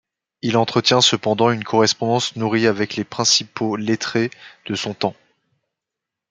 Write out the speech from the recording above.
Il entretient cependant une correspondance nourrie avec les principaux lettrés de son temps.